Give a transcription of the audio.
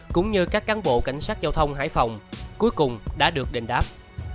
cũng như các cán bộ cảnh sát giao thông hải phòng cuối cùng đã được đền đáp